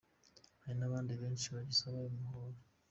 Hari n’abandi benshi bagisaba ayo mahoro.